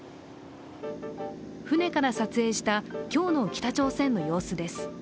船から撮影した今日の北朝鮮の様子です。